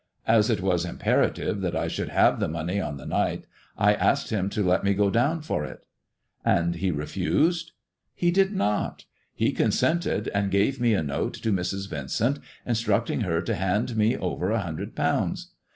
As it was im perative that I should have the money on the night, I asked him to let me go down for it." " And he refused !"" He did not. He consented, and gave me a note to Mrs. Yincent, instructing her to hand me over a hundred pounds.